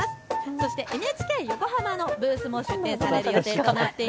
そしてＮＨＫ横浜のブースも出展される予定です。